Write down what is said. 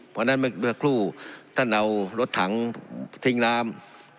เพราะฉะนั้นเมื่อครู่ท่านเอารถถังทิ้งน้ำ